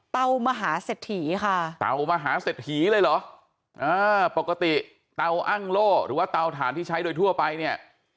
เต้ามหาเสดหีค่ะเต้ามหาเสดหีเลยเหรอปกติเต้าอั้งโล่หรือว่าเต้าถ่านที่ใช้โดยทั่วไปเนี่ย